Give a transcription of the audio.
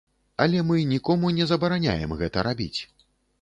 Але мы нікому не забараняем гэта рабіць.